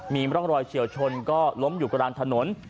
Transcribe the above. มีร่องรอยเฉียวชนก็ล้มอยู่กลางถนน